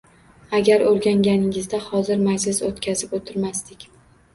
Agar o`rganganingizda hozir majlis o`tkazib o`tirmasdik